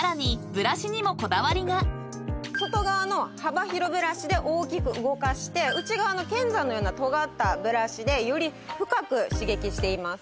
［さらに］外側の幅広ブラシで大きく動かして内側の剣山のようなとがったブラシでより深く刺激しています。